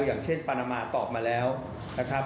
อย่างเช่นปานามาตอบมาแล้วนะครับ